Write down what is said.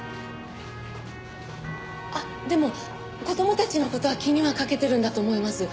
あっでも子供たちの事は気にはかけてるんだと思います。